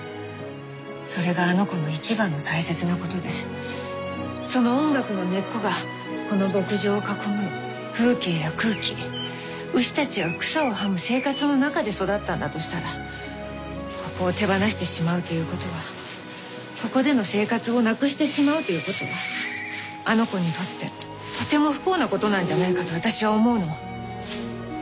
それがあの子の一番の大切なことでその音楽の根っこがこの牧場を囲む風景や空気牛たちが草をはむ生活の中で育ったんだとしたらここを手放してしまうということはここでの生活をなくしてしまうということはあの子にとってとても不幸なことなんじゃないかと私は思うの。